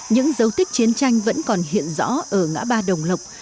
những dấu tích chiến tranh vẫn còn hiện rõ ở ngã ba đồng lộc